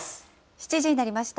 ７時になりました。